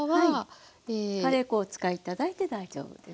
カレー粉をお使い頂いて大丈夫です。